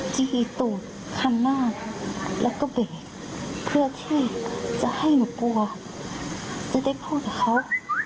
ทีวีตูดคันหน้าแล้วก็เบรกเพื่อที่จะให้หนูกลัวจะได้พูดกับเขา